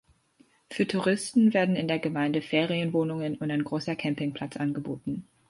Für Touristen werden in der Gemeinde Ferienwohnungen und ein großer Campingplatz angeboten.